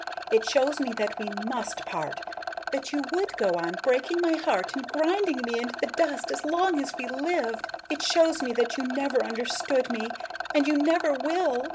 It shows me that we must part; that you would go on, breaking my heart, and grinding me into the dust as long as we lived." She sobs. "It shows me that you never understood me, and you never will.